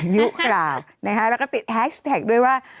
ยุเปล่านะคะแล้วก็ติดแฮชแท็กด้วยว่า